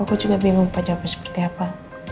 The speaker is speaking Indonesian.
aku juga bingung pak jawabannya seperti apa